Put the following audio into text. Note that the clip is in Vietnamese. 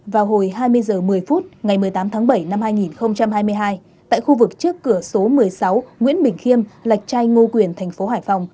vào hồi hai mươi h một mươi ngày một mươi tám bảy hai nghìn hai mươi hai tại khu vực trước cửa số một mươi sáu nguyễn bình khiêm lạch trai ngô quyền tp hải phòng